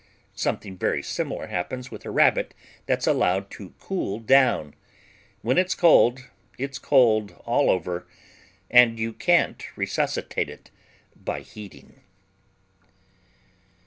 Something very similar happens with a Rabbit that's allowed to cool down when it's cold it's cold all over, and you can't resuscitate it by heating.